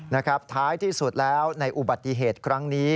นะครับท้ายที่สุดแล้วในอุบัติเหตุครั้งนี้